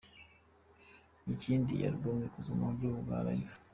Ikindi iyi album ikozwe mu buryo bwa live”.